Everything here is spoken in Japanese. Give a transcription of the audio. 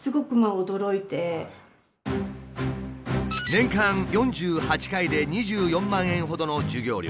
年間４８回で２４万円ほどの授業料。